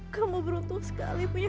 kamu beruntung sekali punya